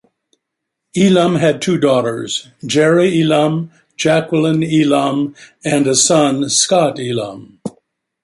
Elam had two daughters, Jeri Elam and Jacqueline Elam, and a son, Scott Elam.